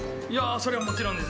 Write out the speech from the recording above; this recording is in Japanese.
それはもちろんです。